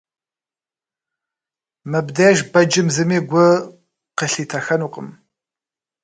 Мыбдеж бэджым зыми гу къылъитэхэнукъым.